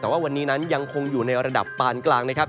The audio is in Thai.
แต่ว่าวันนี้นั้นยังคงอยู่ในระดับปานกลางนะครับ